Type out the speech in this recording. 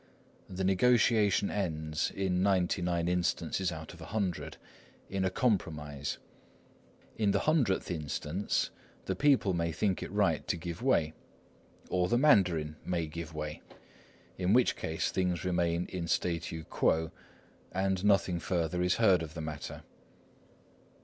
The negotiation ends, in ninety nine instances out of a hundred, in a compromise. In the hundredth instance the people may think it right to give way, or the mandarin may give way, in which case things remain in statu quo, and nothing further is heard of the matter.